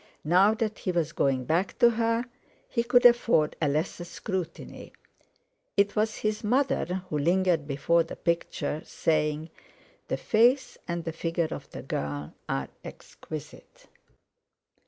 Now that he was going back to her, he could afford a lesser scrutiny. It was his mother who lingered before the picture, saying: "The face and the figure of the girl are exquisite."